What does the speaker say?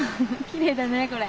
きれいだねこれ。